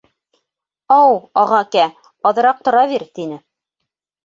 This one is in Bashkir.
— Ау, ағакә, аҙыраҡ тора бир, — тине.